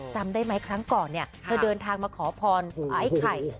จำได้ไหมครั้งก่อนเนี่ยเธอเดินทางมาขอพรไอ้ไข่